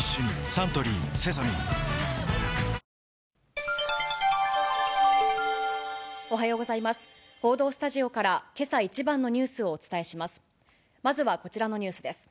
サントリー「セサミン」報道スタジオから、けさ一番のニュースをお伝えします。